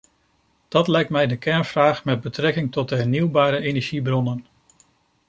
Dat lijkt mij de kernvraag met betrekking tot de hernieuwbare energiebronnen.